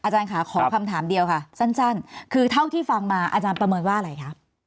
อาจารย์ค่ะขอคำถามเดียวค่ะสั้นคือเท่าที่ฟังมาอาจารย์ประเมินว่าอะไรคะ